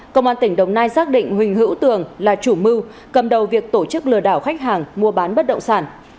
công an tỉnh đồng nai xác định huỳnh hữu tường là chủ mưu cầm đầu việc tổ chức lừa đảo khách hàng mua bán bất động sản